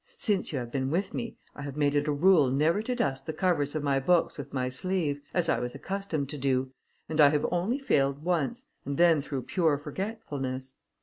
Since you have been with me, I have made it a rule never to dust the covers of my books with my sleeve, as I was accustomed to do, and I have only failed once, and then through pure forgetfulness.